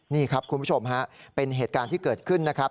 นี่ครับคุณผู้ชมฮะเป็นเหตุการณ์ที่เกิดขึ้นนะครับ